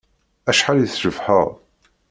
Acḥal i tcebḥeḍ.